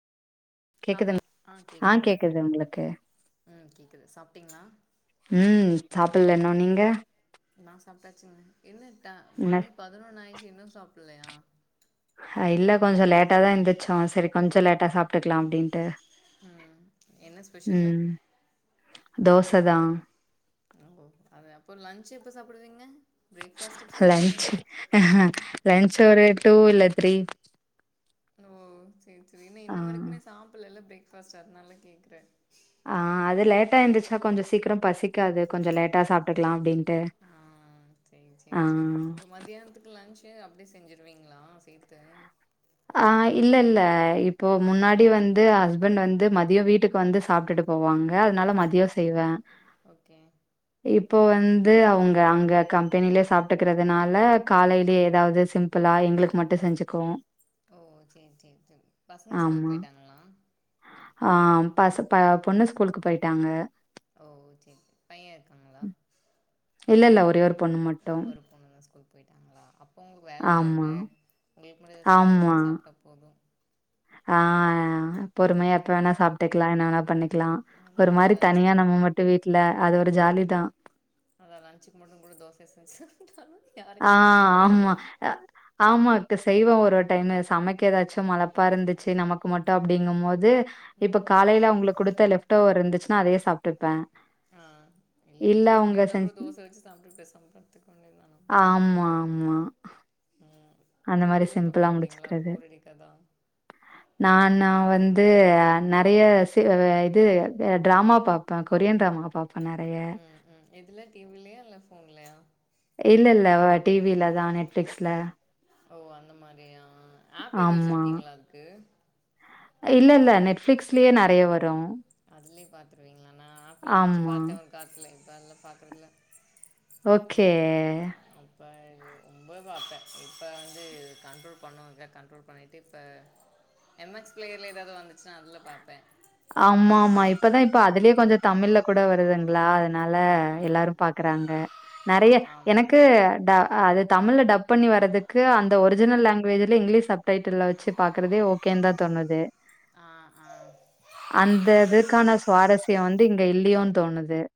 ஆ கேக்குதுங் ஹல் ஆ கேக்குதுங்க கேக்குது உங்களுக்கு ம் கேக்குது சாப்ட்டீங்ளா ம் சாப்புட்ல இன்னு நீங்க நா சாப்ட்டாச்சுங்க என்ன ட என்ன மணி பதினொன்னு ஆயிருச்சு இன்னு சாப்பில்லையா அ இல்ல கொஞ்சோ லேட்டாதா எந்திரிச்சோ செரி கொஞ்சோ லேட்டா சாப்ட்டுக்லா அப்டின்ட்டு ம் என்ன ஸ்பெஷல்லு தோசதா ஓ அது அப்போ லன்ச் எப்ப சாப்டுவீங்க லன்ச் லன்ச் ஒரு டூ இல்ல த்ரீ ஓ சேரி சேரி என்ன ஆ இன்ன வரைக்குமே சாப்பல்லல்ல பிரேக்ஃபாஸ்ட் அதனால கேக்கற ஆ அது லேட்டா எந்துச்சா கொஞ்சோ சீக்கிரோ பசிக்காது கொஞ்சோ லேட்டா சாப்ட்டுக்லா அப்டின்ட்டு ஆ சேரி ஆ சேரி சேரி அப்ப மதியானத்துக்கு லன்ச் க்கு அப்டியே செஞ்சிருவீங்ளா சேத்து ஆ இல்ல இல்ல இப்போ முன்னாடி வந்து ஹஸ்பண்ட் வந்து ம தியோ வீட்டுக்கு வந்து சாப்ட்டுட்டு போவாங்க அதனால மதியோ செய்வ ஓகே இப்போ வந்து அவுங்க அங்க கம்பெனிலயே சா ட்டுக்கறதுனால காலைலயே எதாவது சிம்பிளா எங்களுக்கு மட்டு செஞ்சுக்குவோ ஓ சேரி சேரி சேரி பசங்க ஸ்கூல்க் ஆமா. போயிட்டாங்ளா ஆ பச ப பொண்ணு ஸ்கூலுக்கு போயிட்டாங்க ஓ சேர் பையன் இருக்காங்ளா இல்லல்ல ஒரே ஒரு பொண்ணு மட்டும். ஒரு பொண்ணுதா ஸ்கூல் போயிட்டாங்ளா அப்ப உங்ளுக் வேல இல்ல என்ன ஆமா, உங்ளுக்கு மட்டு எதா சிம்பிளா ஆமா. செஞ்சு சாப்ட்டா போது ஆ பொறுமயா எப்ப வேணா சாப்ட்டுக்லா என்ன வேணா பண்ணிக்லா வந்து ஒரு இன்னும் மாரி லஞ்சு தனியா கூட நம்ம ம ட்டு வீட்ல அது ஒரு ஜாலிதா அதா லன்சுக்கு மட்டு கூட தோச செஞ்சு சாப்ட்டாலு ஆ ஆமா அ ஆமா இத்த செய்வ ஒரொரு டைமு சமைக்க எதாச்சு மழப்பா இருந்துச்சு நமக்கு மட்டு அப்டிங்கும்போது இப்ப காலைல அவுங்களுக்கு குடுத்த லெஃப்டோவர் இருந்துச்சுனா அதயே சாப்ட்டுப்ப ஆ இல்ல இட்லி பொடி இந்தாக்கூட தோச வெச்சு சாப்ட்டு பேசாம பத்துக்க வேண்டிதா ஆமா ஆமா ம் அந்த டீ மாரி வியெல்லா பாக்க சிம்பிளா மாட்டீங்ளா போரடிக்காதா நா நா வந்து அ நெறைய சி அ இது டிராமா பாப்ப கொரியன் டிராமா பா இப்ப நெறைய ம் ம் எதுல டிவிலையா இல்ல ஃபோன்லயா இல்ல இல்ல டிவிலதா நெட்ஃப்ளிக்ஸ்ல ஓ அந்த மாரியா ஆப் ஏது ஆமா. வச்சிருக்கீங்களா அதுக்கு இல்ல இல்ல நெட்ஃப்ளிக்ஸ்லயே நறைய வரு அதுலே பார்த்துருவீங்களா நா ஆப்பல்லா வச்சு ஆமா. பாத்தே ஒரு காலத்தில இப்போ அதுலா பாக்றதில்ல ஓகே நல்லா அழு இப்போ ரொம்ப பாப்பே இப்ப வந்து கண்ட்ரோல் பண்ணுவங்க கண்ட்ரோல் பண்ணிட்டு இப்ப எம் எச் பிளேயர்ல ஏதாவது வந்துச்சுன்னா அதுல பாப்பே ஆமா ஆமா இப்பதா இப்ப அதுலயே கொஞ்சோ தமிழ்ல கூட வருதுங்களா அதனால ஆ எல்லாரு பாக்குறாங்க நெறைய ஆமாம் எனக்கு ட அது தமிழ்ல டப் பண்ணி வரதுக்கு அந்த ஒரிஜினல் லாங்குவேஜ்லே இங்கிலீஷ் சப் டைட்டில்ல வச்சு பாக்குறதே ஓகேன் தா தோணுது ஆ ஹா அந்த இதுக்கான சுவாரஸ்யோ வந்து இங்க இல்லயோனு தோணுது